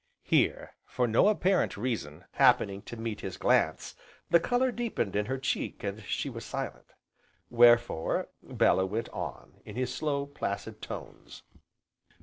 Here, for no apparent reason, happening to meet his glance, the colour deepened in her cheek and she was silent; wherefore Bellew went on, in his slow, placid tones.